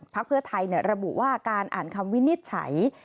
ภักดิ์เพื่อไทยเนี่ยระบุว่าการอ่านคำวินิจฉัย